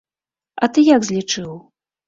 А ты як злічыў?